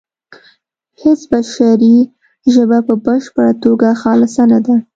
هیڅ بشري ژبه په بشپړه توګه خالصه نه ده